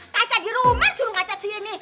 kaca dirumah suruh ngaca disini